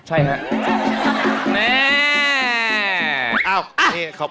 ใช่ครับ